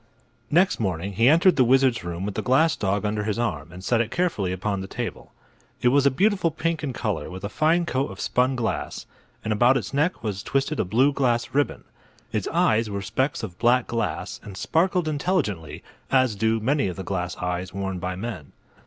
Next morning he entered the wizard's room with the glass dog under his arm and set it carefully upon the table. It was a beautiful pink in color, with a fine coat of spun glass, and about its neck was twisted a blue glass ribbon. Its eyes were specks of black glass and sparkled intelligently, as do many of the glass eyes worn by men.